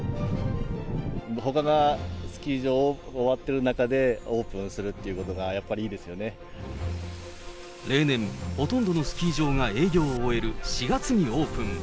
ほかがスキー場終わってる中でオープンするということが、例年、ほとんどのスキー場が営業を終える４月にオープン。